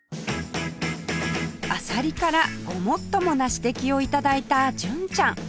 アサリからごもっともな指摘を頂いた純ちゃん